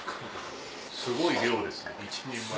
すごい量ですね１人前。